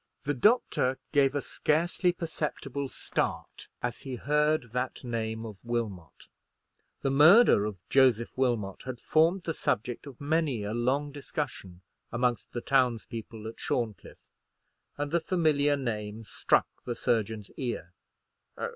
The doctor gave a scarcely perceptible start as he heard that name of Wilmot. The murder of Joseph Wilmot had formed the subject of many a long discussion amongst the towns people at Shorncliffe, and the familiar name struck the surgeon's ear.